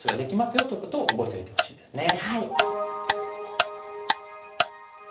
よってことを覚えておいてほしいですね。